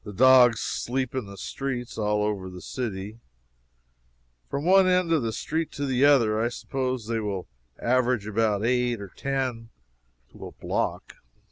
The dogs sleep in the streets, all over the city. From one end of the street to the other, I suppose they will average about eight or ten to a block.